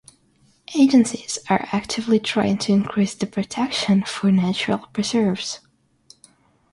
Agencies are actively trying to increase the protection for natural preserves.